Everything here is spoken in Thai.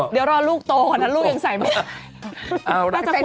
เดี๋ยวรอลูกโตก่อนนะลูกยังใส่ไม่ได้